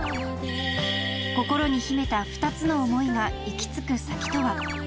心に秘めた２つの想いが行き着く先とは？